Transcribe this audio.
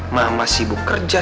mama sibuk kerja